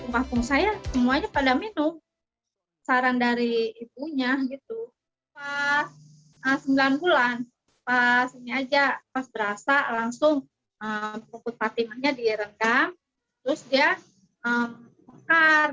pas berasa langsung rumput fatimanya direnggam terus dia mekar